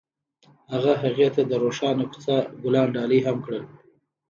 هغه هغې ته د روښانه کوڅه ګلان ډالۍ هم کړل.